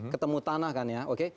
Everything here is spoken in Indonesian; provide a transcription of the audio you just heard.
ketemu tanah kan ya oke